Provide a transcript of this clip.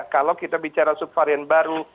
kalau kita bicara subvarian baru